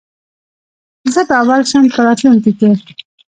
زه به اول شم په راتلونکې کي